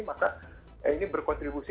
maka ini berkontribusi